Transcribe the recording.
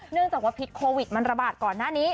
เนื่องจากว่าพิษโควิดมันระบาดก่อนหน้านี้